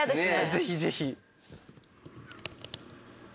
ぜひぜひ。